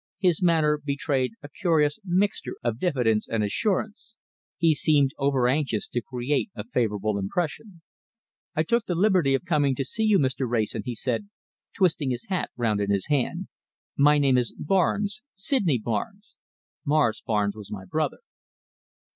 His manner betrayed a curious mixture of diffidence and assurance. He seemed overanxious to create a favourable impression. "I took the liberty of coming to see you, Mr. Wrayson," he said, twisting his hat round in his hand. "My name is Barnes, Sydney Barnes. Morris Barnes was my brother."